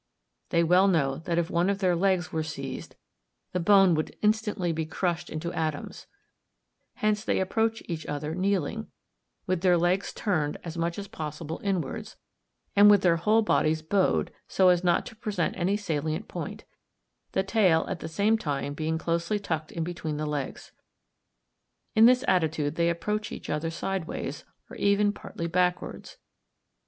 They well know that if one of their legs were seized, the bone would instantly be crushed into atoms; hence they approach each other kneeling, with their legs turned as much as possible inwards, and with their whole bodies bowed, so as not to present any salient point; the tail at the same time being closely tucked in between the legs. In this attitude they approach each other sideways, or even partly backwards.